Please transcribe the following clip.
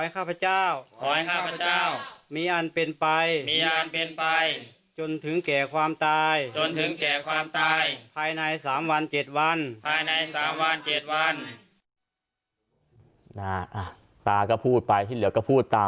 ขอให้ข้าพเจ้า